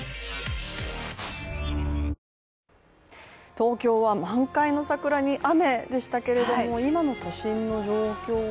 東京は満開の桜に雨でしたけども、今の都心の状況は？